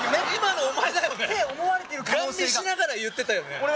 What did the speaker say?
今のお前だよねって思われてる可能性がガン見しながら言ってたよね